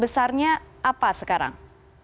besarnya apa sekarang